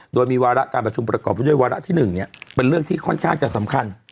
โดยมีวาระการประชุมประกอบไปด้วยวาระที่๑เป็นเรื่องที่ค่อนข้างจะสำคัญ